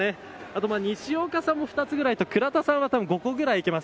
あと西岡さんも２つぐらいと倉田さんは５個くらいいけます。